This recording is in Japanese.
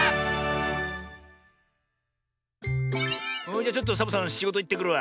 じゃちょっとサボさんしごといってくるわ。